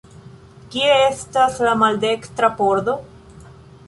Kie estas la maldekstra pordo?